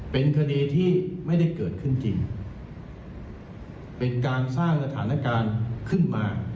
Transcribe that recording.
เป็นคดีที่ไม่ได้เกิดขึ้นจริงเป็นการสร้างสถานการณ์ขึ้นมา